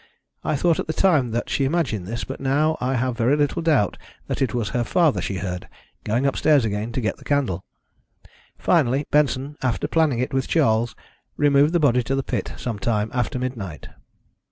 I thought at the time that she imagined this, but now I have very little doubt that it was her father she heard, going upstairs again to get the candle. Finally, Benson, after planning it with Charles, removed the body to the pit some time after midnight."